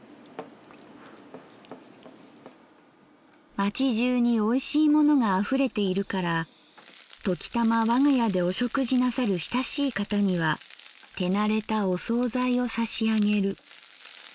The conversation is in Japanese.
「街中においしいものが溢れているからときたまわが家でお食事なさる親しい方には手馴れたお惣菜を差し上げる。